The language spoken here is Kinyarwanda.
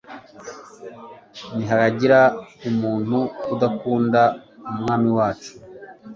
nihagira umuntu udakunda umwami wacu